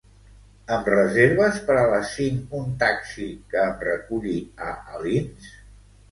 Em reserves per a les cinc un taxi que em reculli a Alins?